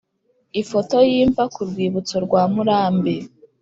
Ifoto y imva ku rwibutso rwa Murambi